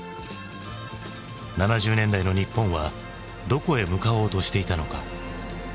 ７０年代の日本はどこへ向かおうとしていたのか？